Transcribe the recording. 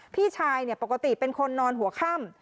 พี่ชายปกติเป็นคนนอนหัวค่ำ